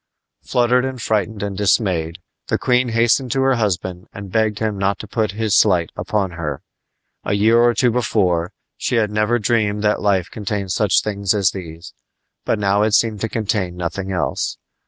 Fluttered and frightened and dismayed, the queen hastened to her husband and begged him not to put this slight upon her. A year or two before, she had never dreamed that life contained such things as these; but now it seemed to contain nothing else.